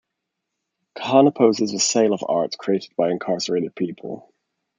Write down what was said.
Kahan opposes the sale of art created by incarcerated people.